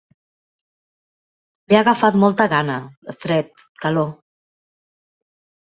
Li ha agafat molta gana, fred, calor.